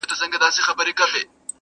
زولانه د خپل ازل یمه معذور یم!.